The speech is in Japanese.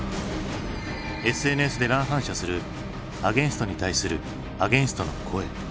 ＳＮＳで乱反射するアゲインストに対するアゲインストの声。